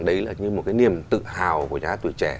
đấy là như một cái niềm tự hào của nhá tuổi trẻ